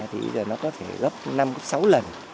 thì nó có thể gấp năm sáu lần